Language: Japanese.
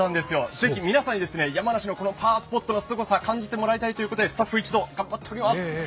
ぜひ皆さんに、山梨のパワースポットのすごさを感じてもらいたいと思い、スタッフ一同頑張っております。